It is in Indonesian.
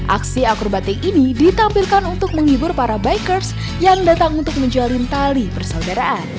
aksi akrobatik ini ditampilkan untuk menghibur para bikers yang datang untuk menjalin tali persaudaraan